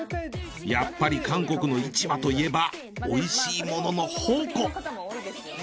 やっぱり韓国の市場といえばおいしいものの宝庫。